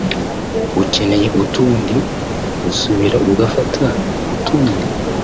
ukeneye utundi asubira gufata utundi